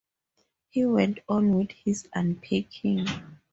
He went on with his unpacking.